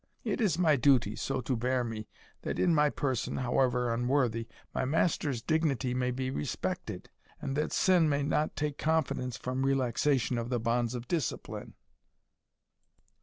It is my duty so to bear me, that in my person, however unworthy, my Master's dignity may be respected, and that sin may take not confidence from relaxation of the bonds of discipline."